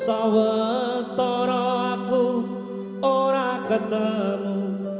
aku orang ketemu